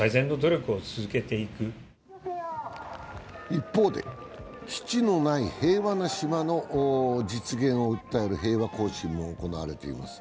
一方で、基地のない平和な島の実現を訴える平和行進も行われています。